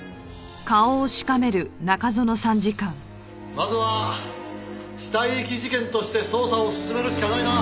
まずは死体遺棄事件として捜査を進めるしかないな。